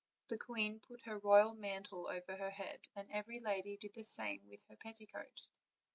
The queen put her royal mantle over her head, and every lady did the same with her pet ticoat.